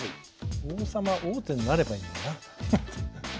王様王手になればいいんだよな。